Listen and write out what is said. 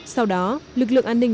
sau đó lực lượng an ninh